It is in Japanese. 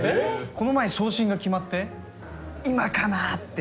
この前昇進が決まって今かなって。